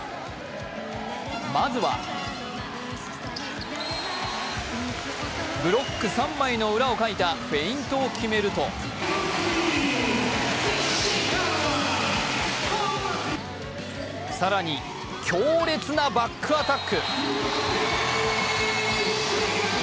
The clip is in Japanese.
まずはブロック三枚の裏をかいたフェイントを決めると、更に強烈なバックアタック。